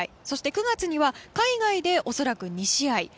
そして９月には海外で恐らく２試合。